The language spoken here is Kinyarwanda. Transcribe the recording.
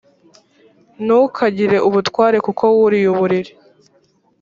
ntukagire ubutware kuko wuriye uburiri